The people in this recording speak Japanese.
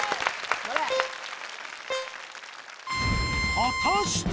果たして？